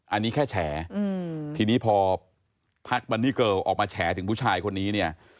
อันนี้แค่แฉทีนี้พอพักบันนี่เกิลออกมาแฉถึงผู้ชายคนนี้เนี่ย